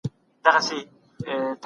اقتصادي وده د ټولني لپاره حیاتي ده.